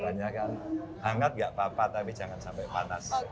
rasanya kan hangat gak apa apa tapi jangan sampai panas